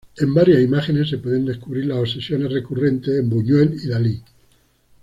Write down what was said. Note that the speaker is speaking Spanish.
En varias imágenes se pueden descubrir las obsesiones recurrentes en Buñuel y Dalí.